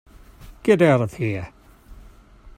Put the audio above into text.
Get out of here.